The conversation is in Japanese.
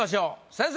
先生！